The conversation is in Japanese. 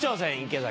池崎。